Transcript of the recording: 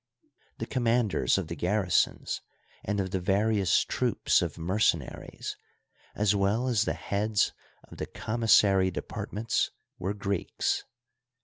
The commanders of the garrisons and of the various troops of mercenaries, as well as the heads of the commissary departments, were Greeks.